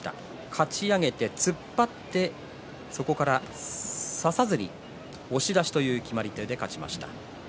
かち上げて突っ張ってそこから差さずに押し出しという決まり手で勝ちました。